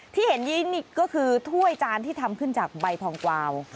ที่เห็นนี้นี่ก็คือถ้วยจานที่ทำขึ้นจากใบทองกวาว